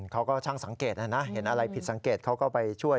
เขาก็ช่างสังเกตนะนะเห็นอะไรผิดสังเกตเขาก็ไปช่วย